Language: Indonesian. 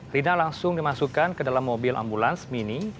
rina langsung dimasukkan ke dalam mobil ambulans mini